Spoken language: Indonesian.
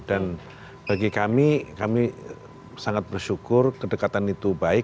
dan bagi kami kami sangat bersyukur kedekatan itu baik